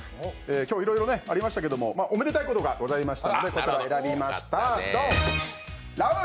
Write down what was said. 今日いろいろありましたけど、おめでたいことがありましたのでこちら、選びました。